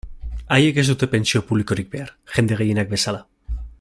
Haiek ez dute pentsio publikorik behar, jende gehienak bezala.